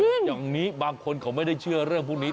คืออย่างนี้บางคนเขาไม่ได้เชื่อเรื่องพวกนี้